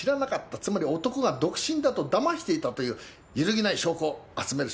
つまり男が独身だとだましていたという揺るぎない証拠を集めるしかありませんな。